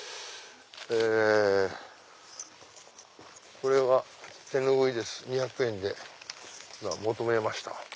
これが手拭いです２００円で今求めました。